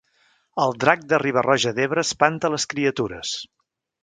El drac de Riba-roja d'Ebre espanta les criatures